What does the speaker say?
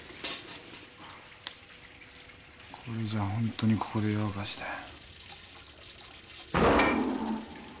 これじゃあホントにここで夜明かしだよ。